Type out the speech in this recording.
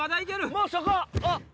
もうそこ！